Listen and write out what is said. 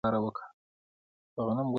د غنم ګل د پوستکي لپاره وکاروئ